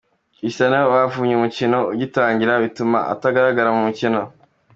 Cristiano bavunye umukino ugitagira bituma ataragiza umukino